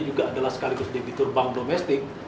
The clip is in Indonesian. juga adalah sekaligus debitur bank domestik